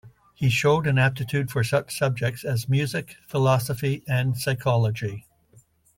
He showed an aptitude for such subjects as music, philosophy and psychology.